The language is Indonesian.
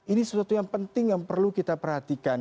ini sesuatu yang penting yang perlu kita perhatikan